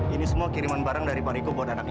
ini semua kiriman barang dari pak riko buat anaknya